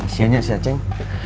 sianya si aceh